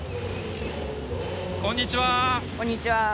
こんにちは！